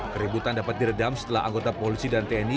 keributan dapat diredam setelah anggota polisi dan tni